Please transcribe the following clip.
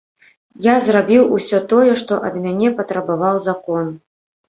Я зрабіў усё тое, што ад мяне патрабаваў закон.